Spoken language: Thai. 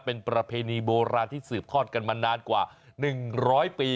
เป็นประเพณีโบราณที่สืบทอดกันมานานกว่า๑๐๐ปี